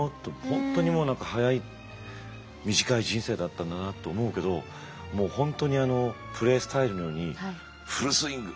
本当に早い短い人生だったんだなと思うけど本当にプレースタイルのようにフルスイング！